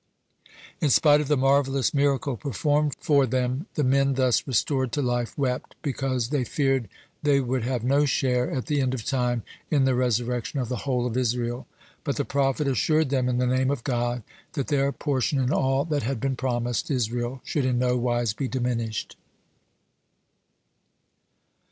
In spite of the marvellous miracle performed from them, the men thus restored to life wept, because they feared they would have no share at the end of time in the resurrection of the whole of Israel. But the prophet assured them, in the name of God, that their portion in all that had been promised Israel should in no wise be diminished.